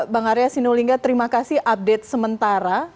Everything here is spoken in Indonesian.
bang arya sinulinga terima kasih update sementara